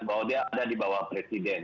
bahwa dia ada di bawah presiden